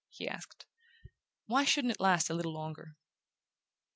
he asked. "Why shouldn't it last a little longer?"